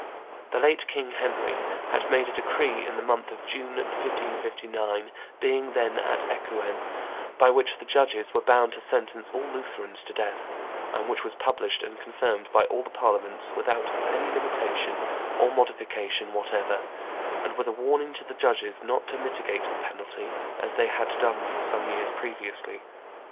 The late king, Henry, had made a decree in the month of June, 1559, being then at Ecouen, by which the judges were bound to sentence all Lutherans to death, and which was published and confirmed by all the Parliaments, without any limitation or modification whatever, and with a warning to the judges not to mitigate the penalty, as they had done for some years previously.